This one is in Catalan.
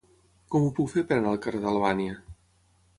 Com ho puc fer per anar al carrer d'Albània?